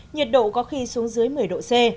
nhiệt độ có khi xuống dưới một mươi độ c